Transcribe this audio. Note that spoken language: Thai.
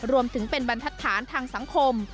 รวมถึงเป็นบรรทัศนทางสังคม